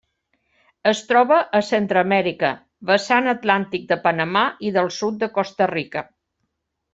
Es troba a Centreamèrica: vessant Atlàntic de Panamà i del sud de Costa Rica.